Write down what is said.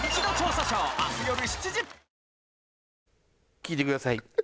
聴いてください。